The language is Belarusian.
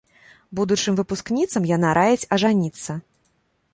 Будучым выпускніцам яна раіць ажаніцца.